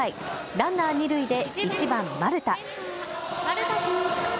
ランナー二塁で１番・丸田。